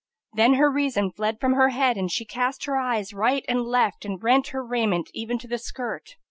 Then her reason fled from her head and she cast her eyes right and left and rent her raiment even to the skirt.